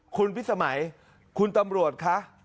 คุณพิสมัยคุณตำรวจคะ